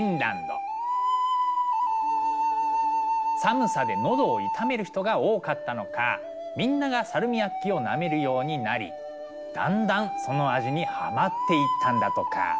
寒さでのどを痛める人が多かったのかみんながサルミアッキをなめるようになりだんだんその味にはまっていったんだとか。